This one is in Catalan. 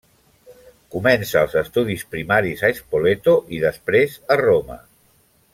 Comença els estudis primaris a Spoleto, i després a Roma.